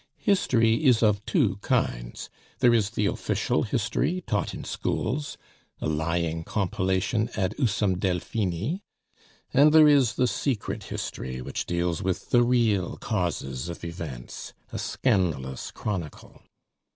History is of two kinds there is the official history taught in schools, a lying compilation ad usum delphini; and there is the secret history which deals with the real causes of events a scandalous chronicle.